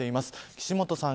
岸本さん